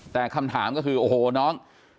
แต่คำถามก็คือโอ้โหน้อง